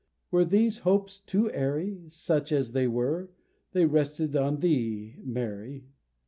Were these hopes too airy? Such as they were, they rested on thee, Mary.